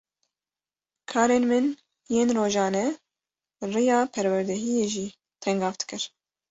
Karên min yên rojane, riya perwerdehiyê jî tengav dikir